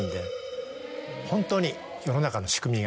本当に世の中の仕組みが。